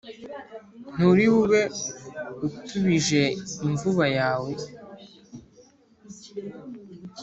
Ntulibube utubije imvuba yawe!"